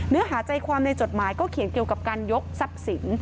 เนื้อหาใจความในจดหมายก็เขียนเกี่ยวกับการยกทรัพย์สิน